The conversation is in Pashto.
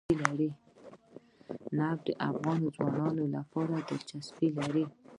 نفت د افغان ځوانانو لپاره دلچسپي لري.